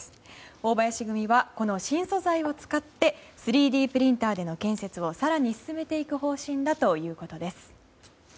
大林組はこの新素材を使って３Ｄプリンターでの建設を更に進めていく方針だということです。